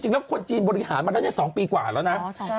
จึงแล้วคนจีนบริหารมาแล้วได้อย่างนี้๒ปีกว่าแล้วนะ